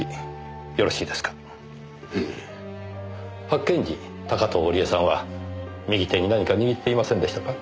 発見時高塔織絵さんは右手に何か握っていませんでしたか？